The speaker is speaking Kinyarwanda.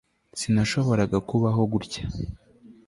sinashoboraga kubaho gutya